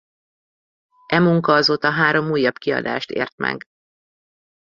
E munka azóta három újabb kiadást ért meg.